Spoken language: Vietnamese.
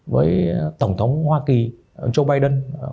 với tổng thống hoa kỳ joe biden